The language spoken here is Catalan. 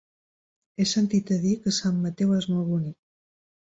He sentit a dir que Sant Mateu és molt bonic.